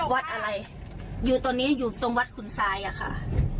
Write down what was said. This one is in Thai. วัดอะไรอยู่ตรงนี้อยู่ตรงวัดขุนทรายอะค่ะ